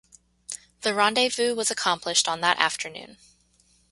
The rendezvous was accomplished on that afternoon.